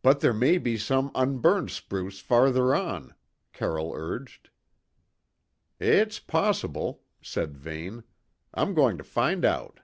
"But there may be some unburned spruce farther on," Carroll urged. "It's possible," said Vane. "I'm going to find out."